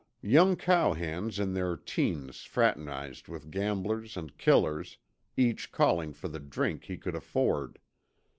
Young cowhands in their 'teens fraternized with gamblers, and killers, each calling for the drink he could afford.